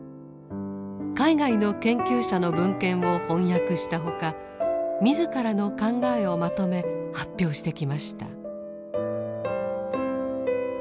海外の研究者の文献を翻訳したほか自らの考えをまとめ発表してきました。